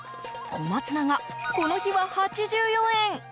小松菜がこの日は８４円。